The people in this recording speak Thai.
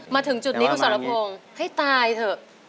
มาถึงจุดนี้คุณสรพงศ์ให้ตายเถอะ